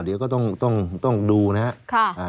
เดี๋ยวก็ต้องดูนะครับ